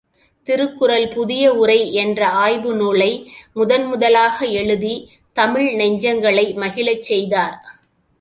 திருக்குறள் புதிய உரை என்ற ஆய்வு நூலை முதன் முதலாக எழுதி தமிழ் நெஞ்சங்களை மகிழச் செய்தார்.